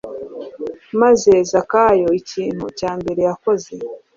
maze Zakayo ikintu cya mbere yakoze